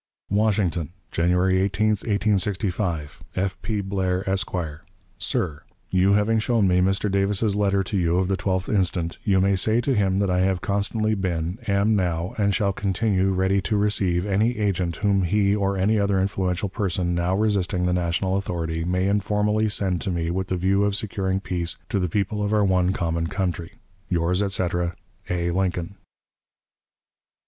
"WASHINGTON, January 18, 1865. "F. P. BLAIR, Esq. "SIR: You having shown me Mr. Davis's letter to you of the 12th instant, you may say to him that I have constantly been, am now, and shall continue ready to receive any agent whom he or any other influential person now resisting the national authority may informally send to me with the view of securing peace to the people of our one common country. "Yours, etc., A. LINCOLN."